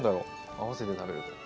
合わせて食べると。